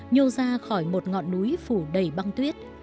nhô ra khỏi một ngọn núi phủ đầy băng tuyết